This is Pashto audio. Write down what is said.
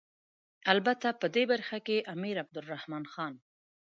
البته په دې برخه کې امیر عبدالرحمن خان.